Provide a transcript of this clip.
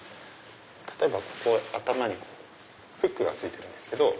例えば頭にフックが付いてるんですけど。